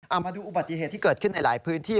เอามาดูอุบัติเหตุที่เกิดขึ้นในหลายพื้นที่